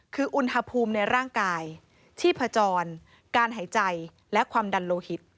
คืออุณหภูมิในร่างกายชีพจรการหายใจและความดันโลหิต